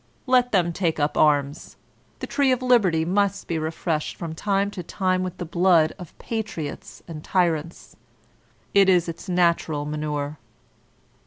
Let them take up arms. ..• The tree of liberty must be refreshed from time to time with the blood of patriots and tyrants. It is its natural manure."